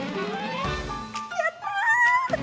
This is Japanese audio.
やった！